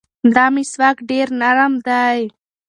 دا مسواک ډېر نرم دی.